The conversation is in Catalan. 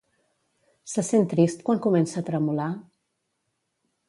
Se sent trist quan comença a tremolar?